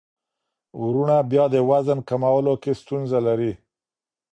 وروڼه بیا د وزن کمولو کې ستونزه لري.